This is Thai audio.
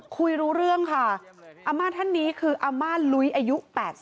คุยรู้เรื่องค่ะอาม่าท่านนี้คืออาม่าลุ้ยอายุ๘๒